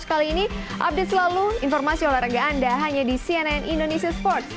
kali ini update selalu informasi olahraga anda hanya di cnn indonesia sports